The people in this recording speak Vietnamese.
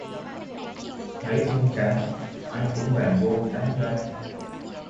Thấy thông cáo, ai cũng bàn vô tán ra